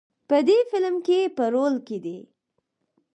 په دې فیلم کې په رول کې دی.